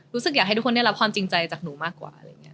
รู้สึกอยากให้ทุกคนได้รับความจริงใจจากหนูมากกว่า